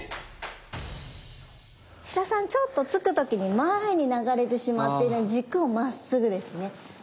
白洲さんちょっと突く時に前に流れてしまってるので軸をまっすぐですね